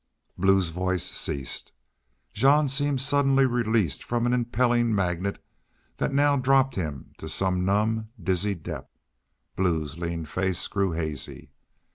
Blue's voice ceased. Jean seemed suddenly released from an impelling magnet that now dropped him to some numb, dizzy depth. Blue's lean face grew hazy.